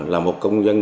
là một công dân